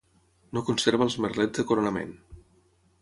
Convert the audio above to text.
No conserva els merlets de coronament.